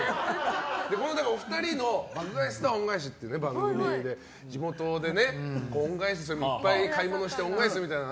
お二人の「爆買い☆スター恩返し」っていう番組で地元でいっぱい買い物して恩返しするっていう。